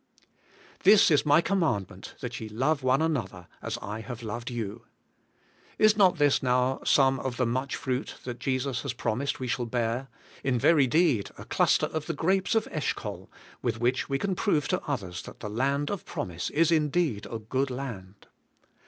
'This is my commandment, that ye love one an other, as I have loved you.' Is not this now some of the much fruit that Jesus has promised we shall bear, — in very deed a cluster of the grapes of Eshcol, with which we can prove to others that the land of prom ise is indeed a good land?